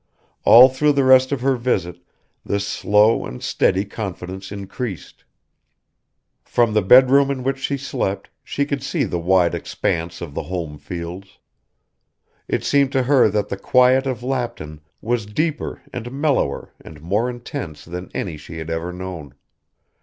All through the rest of her visit this slow and steady confidence increased. From the bedroom in which she slept she could see the wide expanse of the home fields. It seemed to her that the quiet of Lapton was deeper and mellower and more intense than any she had ever known.